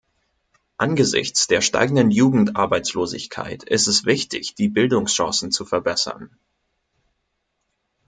Angesichts der steigenden Jugendarbeitslosigkeit ist es wichtig, die Bildungschancen zu verbessern.